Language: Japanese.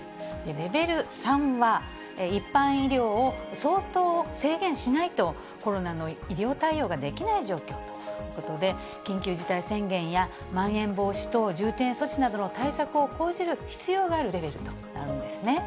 レベル３は、一般医療を相当制限しないとコロナの医療対応ができない状況ということで、緊急事態宣言や、まん延防止等重点措置などの対策を講じる必要があるレベルとなるんですね。